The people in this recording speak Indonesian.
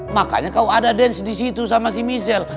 makanya kau ada dance di situ sama si michelle